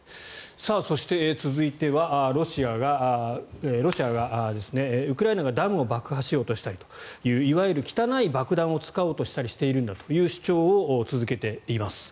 そして、続いては、ロシアがウクライナがダムを爆破しようとしたりといういわゆる汚い爆弾を使おうとしたりしているんだという主張を続けています。